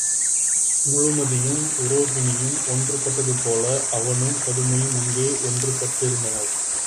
முழுமதியும் உரோகிணியும் ஒன்றுபட்டதுபோல அவனும் பதுமையும் அங்கே ஒன்று பட்டிருந்தனர்.